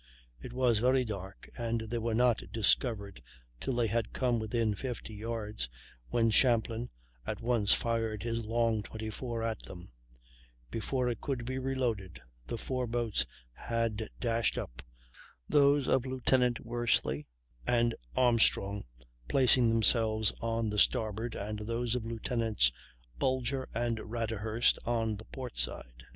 It was very dark, and they were not discovered till they had come within fifty yards, when Champlin at once fired his long 24 at them; before it could be reloaded the four boats had dashed up, those of Lieutenants Worsely and Armstrong placing themselves on the starboard, and those of Lieutenants Bulger and Raderhurst on the port side.